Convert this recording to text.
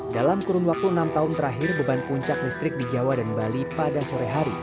dalam kurun waktu enam tahun terakhir beban puncak listrik di jawa dan bali pada sore hari